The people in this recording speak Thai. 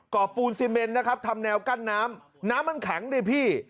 ปูนซีเมนนะครับทำแนวกั้นน้ำน้ำมันแข็งดิพี่